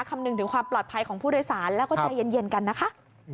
คำนึงถึงความปลอดภัยของผู้โดยสารแล้วก็ใจเย็นกันนะคะ